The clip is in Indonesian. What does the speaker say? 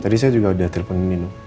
tadi saya juga udah teleponin nino